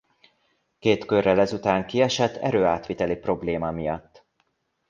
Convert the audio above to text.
Két körrel ezután kiesett erőátviteli probléma miatt.